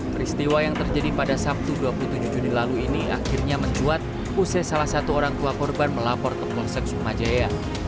peristiwa yang terjadi pada sabtu dua puluh tujuh juni lalu ini akhirnya mencuat usai salah satu orang tua korban melapor ke polsek sumajaya